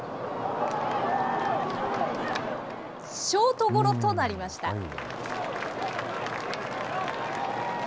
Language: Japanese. ショートゴロとなりました。